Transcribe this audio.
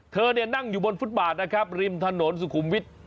เธอเนี่ยนั่งอยู่บนฟุตบาทนะครับริมถนนสุขุมวิทย์